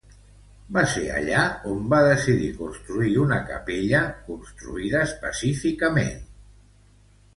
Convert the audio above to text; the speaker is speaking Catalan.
Va ser allà on va decidir construir una capella construïda específicament.